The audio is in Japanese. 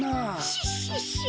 シッシッシッ！